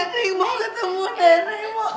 nenek mau ketemu nenek